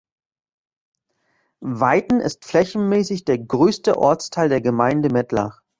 Weiten ist flächenmäßig der größte Ortsteil der Gemeinde Mettlach.